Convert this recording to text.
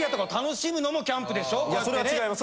それは違います。